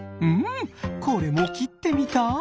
んこれもきってみたい！